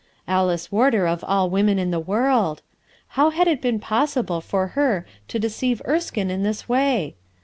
Alice Warder of all women in the world ! How had it been possible for her to deceive Erskine in this way